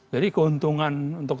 jadi keuntungan untuk